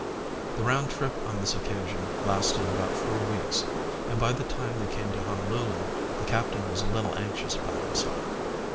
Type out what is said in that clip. The round trip on this occasion lasted about four weeks and by the time they came to Honolulu the captain was a little anxious about himself.